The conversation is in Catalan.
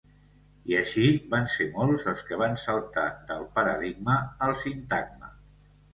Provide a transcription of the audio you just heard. I així, van ser molts els que van saltar del paradigma al sintagma.